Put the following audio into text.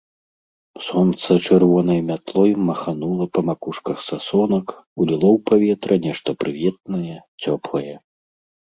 Сонца чырвонай мятлой маханула па макушках сасонак, уліло ў паветра нешта прыветнае, цёплае.